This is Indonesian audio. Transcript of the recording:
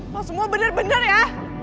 lo semua bener bener ya